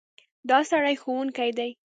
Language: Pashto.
دا سړی ښوونکی دی.